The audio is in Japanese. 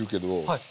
はい。